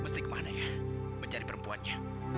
saya mau cari perempuannya